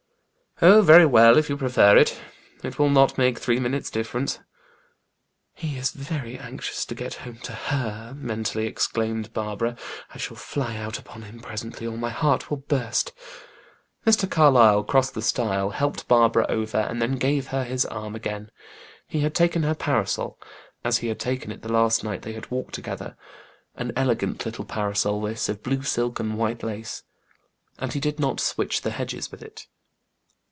"Oh, very well, if you prefer it. It will not make three minutes' difference." "He is very anxious to get home to her!" mentally exclaimed Barbara. "I shall fly out upon him, presently, or my heart will burst." Mr. Carlyle crossed the stile, helped over Barbara, and then gave her his arm again. He had taken her parasol, as he had taken it the last night they had walked together an elegant little parasol, this, of blue silk and white lace, and he did not switch the hedges with it.